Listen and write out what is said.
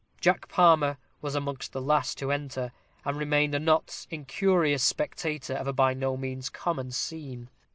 Jack Palmer was amongst the last to enter, and remained a not incurious spectator of a by no means common scene.